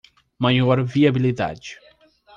Maior viabilidade